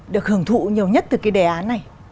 được hưởng thụ nhiều nhất từ cái đề án này